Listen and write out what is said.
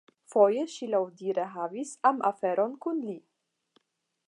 Foje ŝi laŭdire havis amaferon kun li.